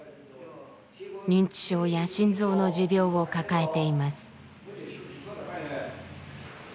認知症や心臓の持病を抱えています。